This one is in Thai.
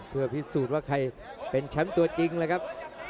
เพื่อพิสูจน์ว่าใครเป็นแชมป์ตัวจริงเลยครับ